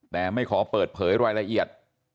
แต่ไม่ขอเปิดเผยรายละเอียด